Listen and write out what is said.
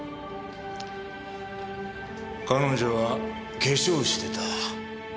彼女は化粧をしてた。